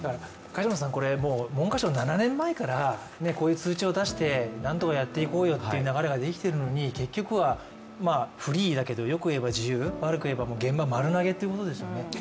文科省は７年前からこういう通知を出してなんとかやっていこうよという流れが出ているのに結局は、フリーだけどよくいえば自由悪く言えば現場、丸投げということですよね。